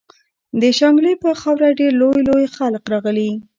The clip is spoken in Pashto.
د شانګلې پۀ خاوره ډېر لوئ لوئ خلق راغلي